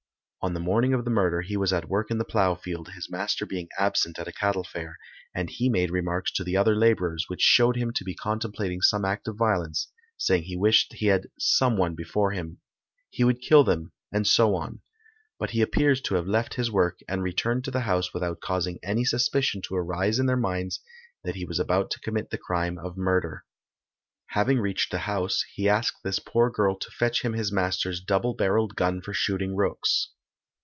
On the morning of the murder he was at work in the plough field, his master being absent at a cattle fair, and he made remarks to the other labourers which showed him to be contemplating some act of violence, saying he wished he had "some one" before him he would kill them, and so on; but he appears to have left his work and returned to the house without causing any suspicion to arise in their minds that he was about to commit the crime of murder. Having reached the house, he asked this poor girl to fetch him his master's double barrelled gun for shooting rooks.